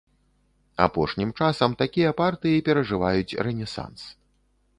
Апошнім часам такія партыі перажываюць рэнесанс.